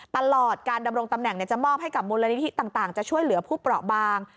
ตลอดการดำรงตำแหน่งจะมอบให้กับมูลนิธิต่างจะช่วยเหลือผู้เปราะบาง